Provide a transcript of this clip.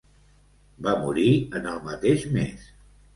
Va morir en el mateix mes.